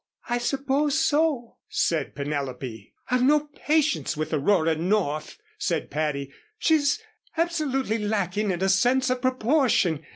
"I suppose so," said Penelope. "I've no patience with Aurora North," said Patty, "she's absolutely lacking in a sense of proportion.